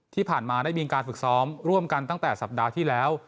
ที่ผ่านมาได้มีการฝึกซ้อมร่วมกันตั้งแต่สัปดาห์ที่แล้ว